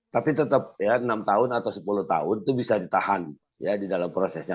tapi tetap ya enam tahun atau sepuluh tahun itu bisa ditahan ya di dalam prosesnya